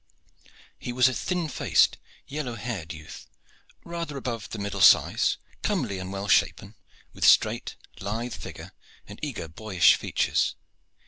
He was a thin faced, yellow haired youth, rather above the middle size, comely and well shapen, with straight, lithe figure and eager, boyish features.